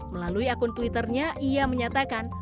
melalui akun twitternya ia menyatakan